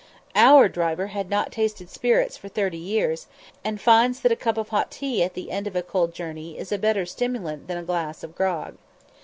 Our driver had not tasted spirits for thirty years, and finds that a cup of hot tea at the end of a cold journey is a better stimulant than a glass of grog.